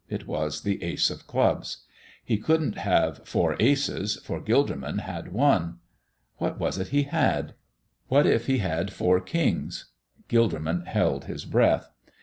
It was the ace of clubs. He couldn't have four aces, for Gilderman had one. What was it he had? What if he had four kings? Gilderman held his breath.